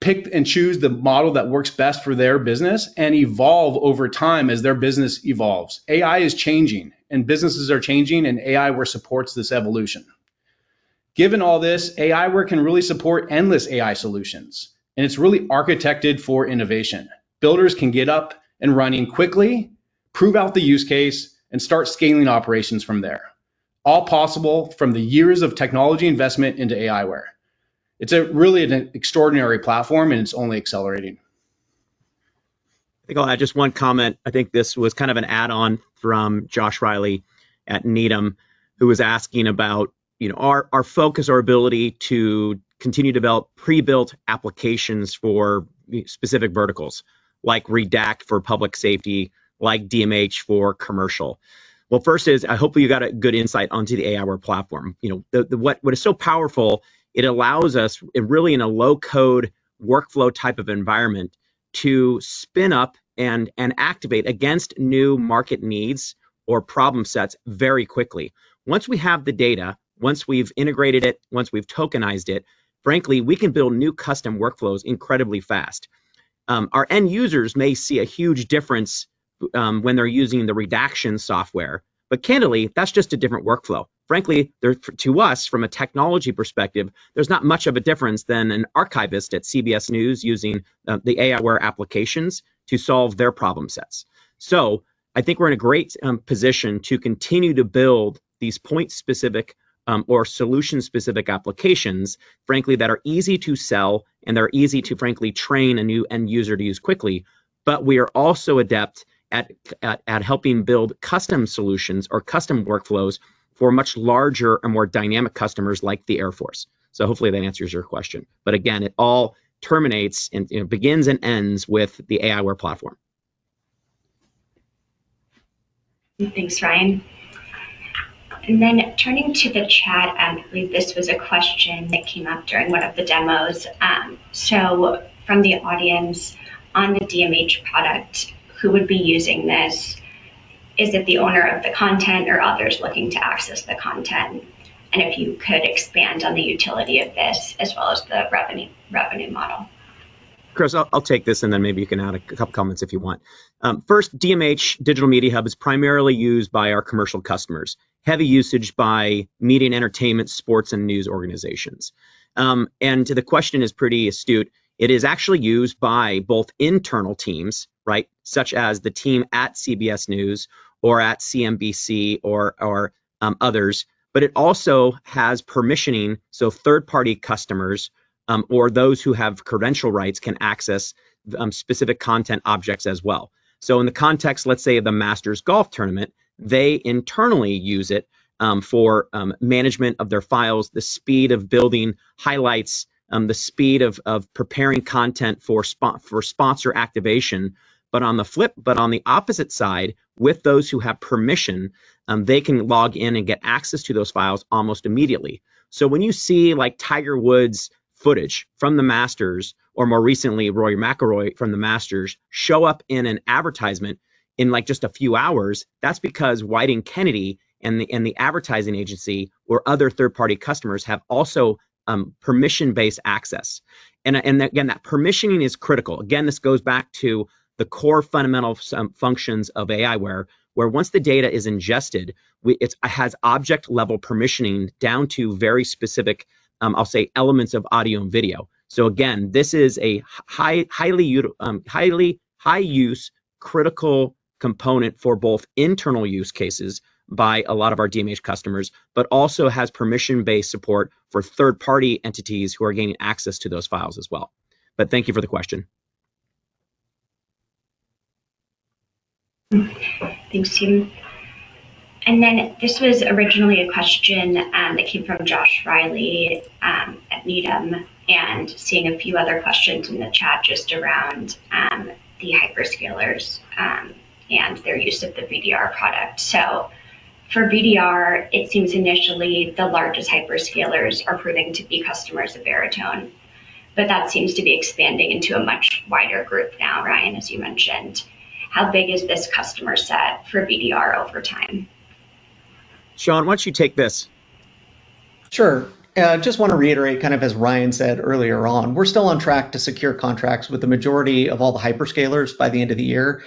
pick and choose the model that works best for their business and evolve over time as their business evolves. AI is changing, and businesses are changing, and aiWARE supports this evolution. Given all this, aiWARE can really support endless AI solutions, and it's really architected for innovation. Builders can get up and running quickly, prove out the use case, and start scaling operations from there, all possible from the years of technology investment into aiWARE. It's really an extraordinary platform, and it's only accelerating. I think I'll add just one comment. I think this was kind of an add-on from Josh Reilly at Needham, who was asking about our focus, our ability to continue to develop pre-built applications for specific verticals, like Redact for public safety, like DMH for commercial. First is I hope you got a good insight onto the aiWARE platform. What is so powerful, it allows us, really in a low-code workflow type of environment, to spin up and activate against new market needs or problem sets very quickly. Once we have the data, once we've integrated it, once we've tokenized it, frankly, we can build new custom workflows incredibly fast. Our end users may see a huge difference when they're using the redaction software, but candidly, that's just a different workflow. Frankly, to us, from a technology perspective, there's not much of a difference than an archivist at CBS News using the aiWARE applications to solve their problem sets. I think we're in a great position to continue to build these point-specific or solution-specific applications, frankly, that are easy to sell and that are easy to, frankly, train a new end user to use quickly. We are also adept at helping build custom solutions or custom workflows for much larger and more dynamic customers like the Air Force. Hopefully, that answers your question. Again, it all terminates and begins and ends with the aiWAREplatform. Thanks, Ryan. Turning to the chat, I believe this was a question that came up during one of the demos. From the audience, on the DMH product, who would be using this? Is it the owner of the content or others looking to access the content? If you could expand on the utility of this as well as the revenue model. Chris, I'll take this, and then maybe you can add a couple of comments if you want. First, DMH Digital Media Hub is primarily used by our commercial customers, heavy usage by media and entertainment, sports, and news organizations. The question is pretty astute. It is actually used by both internal teams, such as the team at CBS News or at CNBC or others, but it also has permissioning, so third-party customers or those who have credential rights can access specific content objects as well. In the context, let's say of the Masters Golf Tournament, they internally use it for management of their files, the speed of building highlights, the speed of preparing content for sponsor activation. On the opposite side, with those who have permission, they can log in and get access to those files almost immediately. When you see Tiger Woods' footage from the Masters, or more recently, Rory McIlroy from the Masters, show up in an advertisement in just a few hours, that's because Wieden+Kennedy and the advertising agency or other third-party customers have also permission-based access. Again, that permissioning is critical. This goes back to the core fundamental functions of aiWARE, where once the data is ingested, it has object-level permissioning down to very specific, I'll say, elements of audio and video. This is a highly high-use critical component for both internal use cases by a lot of our DMH customers, but also has permission-based support for third-party entities who are gaining access to those files as well. Thank you for the question. Thanks, Steel. This was originally a question that came from Josh Reilly at Needham and seeing a few other questions in the chat just around the hyperscalers and their use of the VDR product. For VDR, it seems initially the largest hyperscalers are proving to be customers of Veritone, but that seems to be expanding into a much wider group now, Ryan, as you mentioned. How big is this customer set for VDR over time? Sean, why don't you take this? Sure. I just want to reiterate, kind of as Ryan said earlier on, we're still on track to secure contracts with the majority of all the hyperscalers by the end of the year,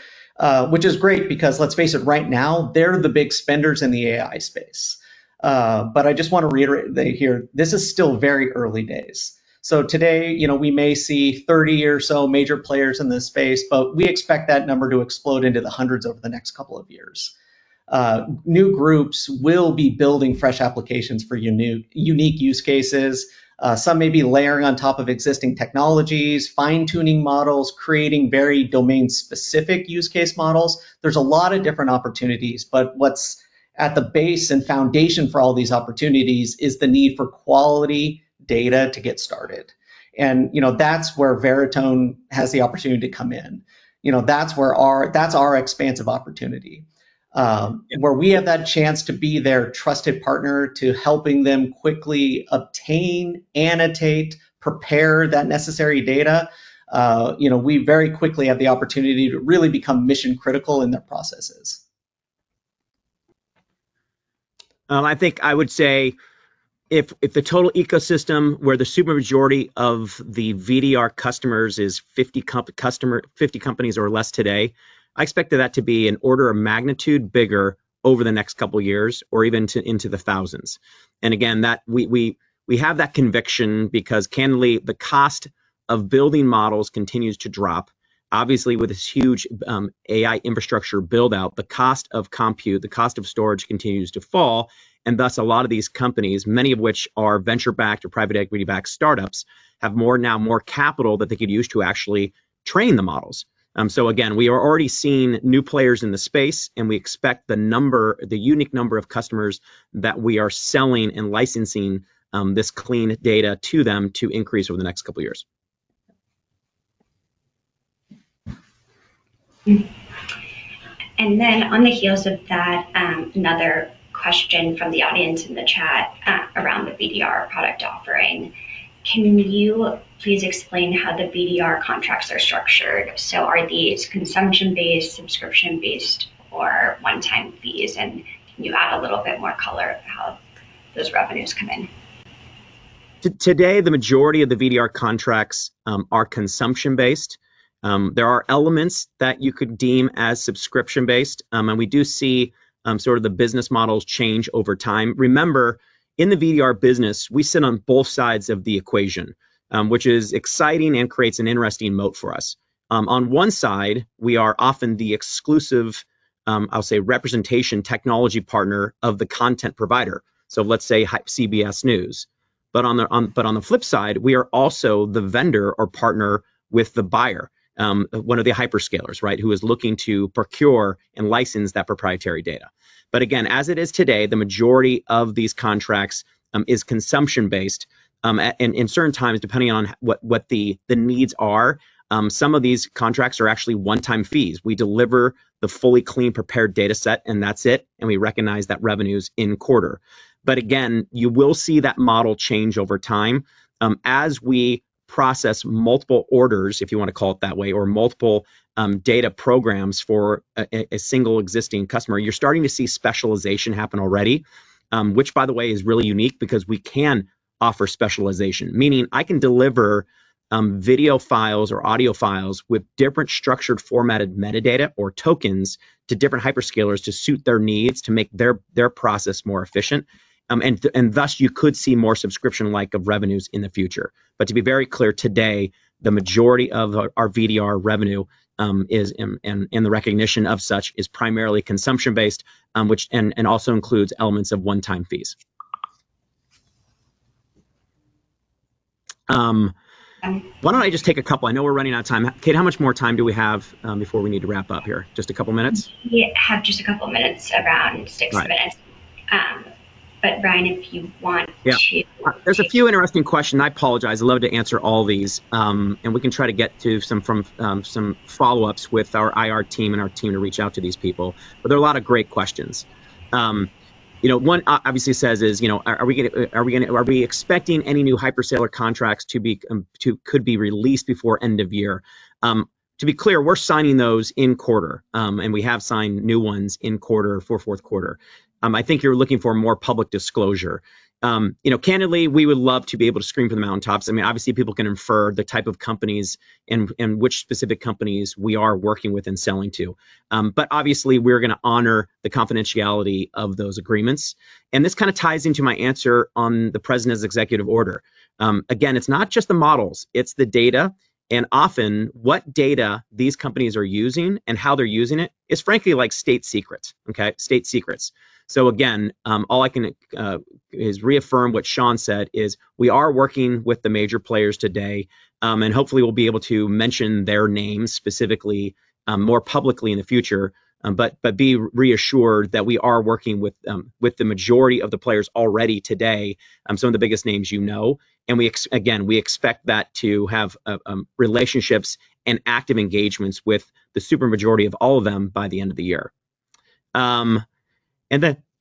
which is great because, let's face it, right now, they're the big spenders in the AI space. I just want to reiterate here, this is still very early days. Today, we may see 30 or so major players in this space, but we expect that number to explode into the hundreds over the next couple of years. New groups will be building fresh applications for unique use cases. Some may be layering on top of existing technologies, fine-tuning models, creating very domain-specific use case models. There's a lot of different opportunities, but what is at the base and foundation for all these opportunities is the need for quality data to get started. That is where Veritone has the opportunity to come in. That is our expansive opportunity. Where we have that chance to be their trusted partner to helping them quickly obtain, annotate, prepare that necessary data, we very quickly have the opportunity to really become mission-critical in their processes. I think I would say if the total ecosystem where the super majority of the VDR customers is 50 companies or less today, I expect that to be an order of magnitude bigger over the next couple of years or even into the thousands. We have that conviction because, candidly, the cost of building models continues to drop. Obviously, with this huge AI infrastructure build-out, the cost of compute, the cost of storage continues to fall. Thus, a lot of these companies, many of which are venture-backed or private equity-backed startups, have now more capital that they could use to actually train the models. Again, we are already seeing new players in the space, and we expect the unique number of customers that we are selling and licensing this clean data to them to increase over the next couple of years. On the heels of that, another question from the audience in the chat around the VDR product offering. Can you please explain how the VDR contracts are structured? Are these consumption-based, subscription-based, or one-time fees? Can you add a little bit more color of how those revenues come in? Today, the majority of the VDR contracts are consumption-based. There are elements that you could deem as subscription-based, and we do see sort of the business models change over time. Remember, in the VDR business, we sit on both sides of the equation, which is exciting and creates an interesting moat for us. On one side, we are often the exclusive, I'll say, representation technology partner of the content provider, so let's say CBS News. On the flip side, we are also the vendor or partner with the buyer, one of the hyperscalers, who is looking to procure and license that proprietary data. As it is today, the majority of these contracts is consumption-based. In certain times, depending on what the needs are, some of these contracts are actually one-time fees. We deliver the fully clean prepared data set, and that's it, and we recognize that revenues in quarter. You will see that model change over time. As we process multiple orders, if you want to call it that way, or multiple data programs for a single existing customer, you're starting to see specialization happen already, which, by the way, is really unique because we can offer specialization, meaning I can deliver video files or audio files with different structured formatted metadata or tokens to different hyperscalers to suit their needs, to make their process more efficient. Thus, you could see more subscription-like revenues in the future. To be very clear, today, the majority of our VDR revenue and the recognition of such is primarily consumption-based and also includes elements of one-time fees. Why don't I just take a couple? I know we're running out of time. Cate, how much more time do we have before we need to wrap up here? Just a couple of minutes? We have just a couple of minutes, around six minutes. Ryan, if you want to. Yeah. There's a few interesting questions. I apologize. I'd love to answer all these. We can try to get to some follow-ups with our IR team and our team to reach out to these people. There are a lot of great questions. One, obviously, says, are we expecting any new hyperscaler contracts to be could be released before end of year? To be clear, we're signing those in quarter, and we have signed new ones in quarter for fourth quarter. I think you're looking for more public disclosure. Candidly, we would love to be able to screen for the mountaintops. I mean, obviously, people can infer the type of companies and which specific companies we are working with and selling to. Obviously, we're going to honor the confidentiality of those agreements. This kind of ties into my answer on the President's executive order. Again, it's not just the models. It's the data. Often, what data these companies are using and how they're using it is, frankly, state secrets. Again, all I can reaffirm what Sean said is we are working with the major players today. Hopefully, we'll be able to mention their names specifically more publicly in the future, but be reassured that we are working with the majority of the players already today, some of the biggest names you know. Again, we expect to have relationships and active engagements with the super majority of all of them by the end of the year.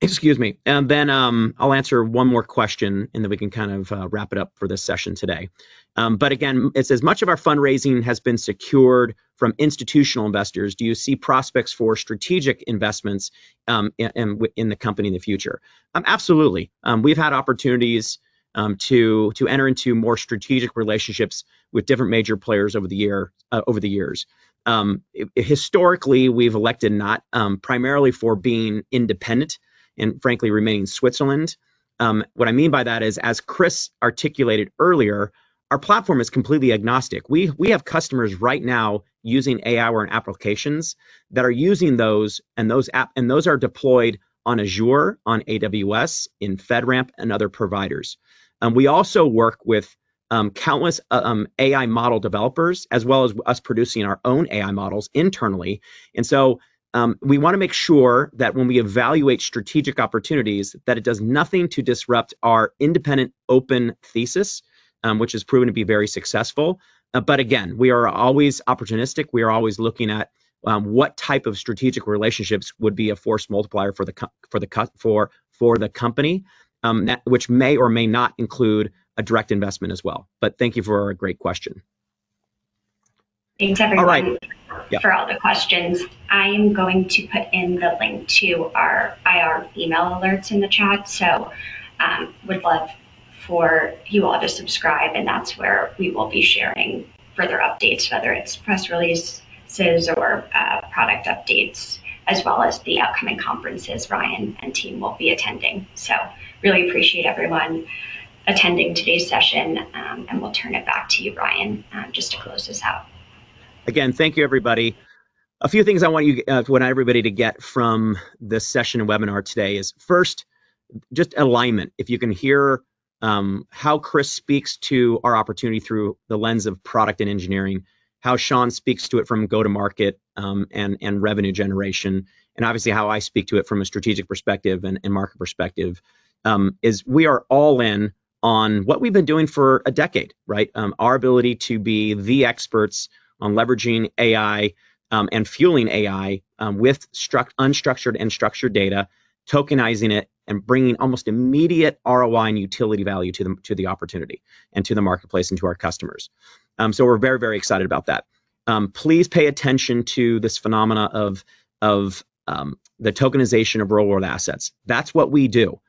Excuse me, then I'll answer one more question and then we can kind of wrap it up for this session today. Again, it says, "Much of our fundraising has been secured from institutional investors. Do you see prospects for strategic investments in the company in the future?" Absolutely. We've had opportunities to enter into more strategic relationships with different major players over the years. Historically, we've elected not primarily for being independent and, frankly, remaining Switzerland. What I mean by that is, as Chris articulated earlier, our platform is completely agnostic. We have customers right now using AI or applications that are using those, and those are deployed on Azure, on AWS, in FedRAMP, and other providers. We also work with countless AI model developers as well as us producing our own AI models internally. We want to make sure that when we evaluate strategic opportunities, that it does nothing to disrupt our independent open thesis, which has proven to be very successful. Again, we are always opportunistic. We are always looking at what type of strategic relationships would be a force multiplier for the company, which may or may not include a direct investment as well. Thank you for a great question. Thanks, everyone for all the questions, I am going to put in the link to our IR email alerts in the chat. Would love for you all to subscribe, and that is where we will be sharing further updates, whether it is press releases or product updates, as well as the upcoming conferences Ryan and team will be attending. Really appreciate everyone attending today's session, and we'll turn it back to you, Ryan, just to close this out. Again, thank you, everybody. A few things I want everybody to get from this session and webinar today is, first, just alignment. If you can hear how Chris speaks to our opportunity through the lens of product and engineering, how Sean speaks to it from go-to-market and revenue generation, and obviously how I speak to it from a strategic perspective and market perspective, we are all in on what we've been doing for a decade, our ability to be the experts on leveraging AI and fueling AI with unstructured and structured data, tokenizing it, and bringing almost immediate ROI and utility value to the opportunity and to the marketplace and to our customers. We're very, very excited about that. Please pay attention to this phenomena of the tokenization of real-world assets. That's what we do.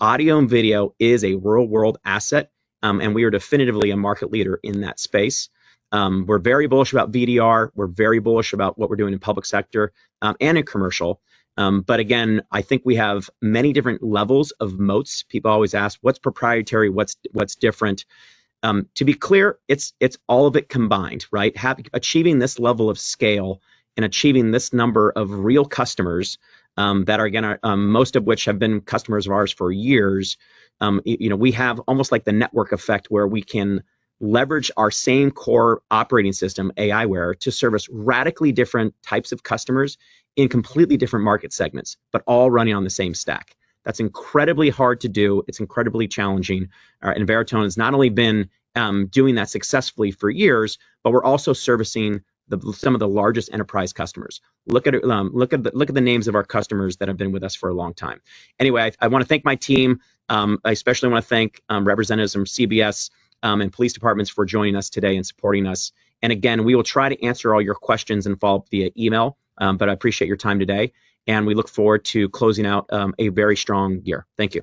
Audio and video is a real-world asset, and we are definitively a market leader in that space. We're very bullish about VDR. We're very bullish about what we're doing in public sector and in commercial. Again, I think we have many different levels of moats. People always ask, "What's proprietary? What's different?" To be clear, it's all of it combined. Achieving this level of scale and achieving this number of real customers that are going to, most of which have been customers of ours for years, we have almost like the network effect where we can leverage our same core operating system, aiWARE, to service radically different types of customers in completely different market segments, but all running on the same stack. That's incredibly hard to do. It's incredibly challenging. Veritone has not only been doing that successfully for years, but we are also servicing some of the largest enterprise customers. Look at the names of our customers that have been with us for a long time. I want to thank my team. I especially want to thank representatives from CBS and police departments for joining us today and supporting us. We will try to answer all your questions and follow up via email, but I appreciate your time today. We look forward to closing out a very strong year. Thank you.